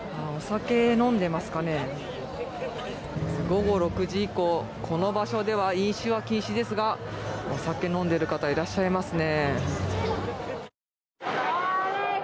午後６時以降この場所では飲酒が禁止ですがお酒を飲んでいる方いらっしゃいますね。